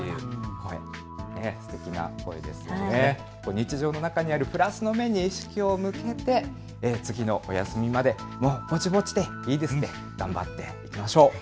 日常の中にあるプラスの面に意識を向けて次のお休みまでぼちぼちでいいです、頑張っていきましょう。